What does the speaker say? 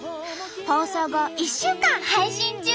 放送後１週間配信中！